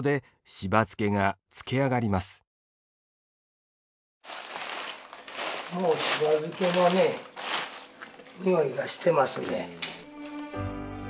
しば漬けのにおいがしてますね。